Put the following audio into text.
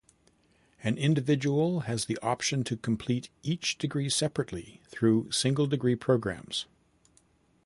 An individual has the option to complete each degree separately through single-degree programs.